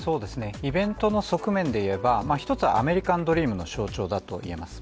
イベントの側面でいえば一つはアメリカンドリームの象徴だと言えます。